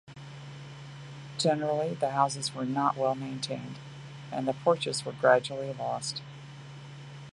Generally, the houses were not well maintained, and the porches were gradually lost.